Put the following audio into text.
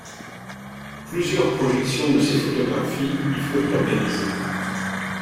Plusieurs projections de ses photographies y furent organisées.